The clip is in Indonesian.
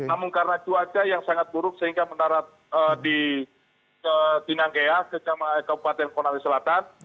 namun karena cuaca yang sangat buruk sehingga menara di tinangkea kejamaah kepatian konawi selatan